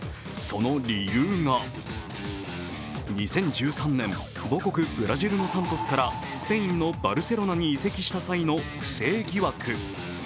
その理由が２０１３年、母国ブラジルのサントスからスペインのバルセロナに移籍した際の不正疑惑。